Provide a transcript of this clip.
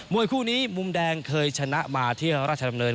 วยคู่นี้มุมแดงเคยชนะมาที่ราชดำเนิน